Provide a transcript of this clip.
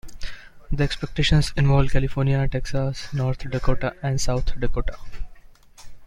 The exceptions involve California, Texas, North Dakota, and South Dakota.